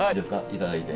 いただいて。